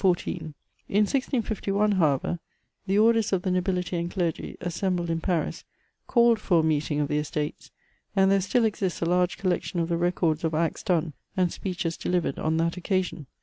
In 1651, however, the orders of the nobility and clergy, assembled in Paris, called for a meeting of the Estates, and there still exists a large collection of the records of acts done and speeches delivered on that occasion.